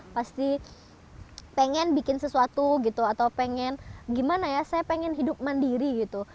pasti pengen bikin sesuatu gitu atau pengen gimana ya saya pengen hidup mandiri gitu